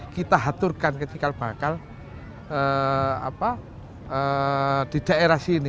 kita aturkan ke cikal bakal di daerah sini